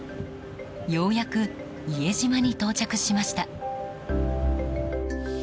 ようやく伊江島に到着しました。